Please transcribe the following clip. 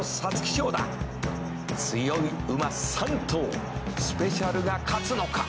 「強い馬３頭」「スペシャルが勝つのか。